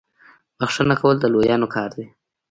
بخښنه کول د لویانو کار دی.